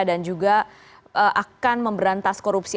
dan juga akan memberantas korupsi